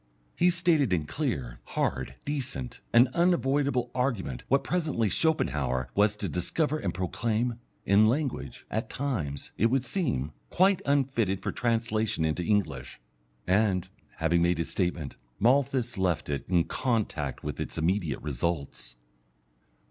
He stated in clear, hard, decent, and unavoidable argument what presently Schopenhauer was to discover and proclaim, in language, at times, it would seem, quite unfitted for translation into English. And, having made his statement, Malthus left it, in contact with its immediate results.